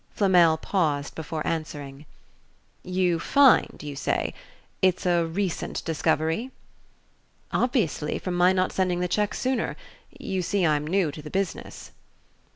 Flamel paused before answering. "You find, you say. It's a recent discovery?" "Obviously, from my not sending the check sooner. You see I'm new to the business."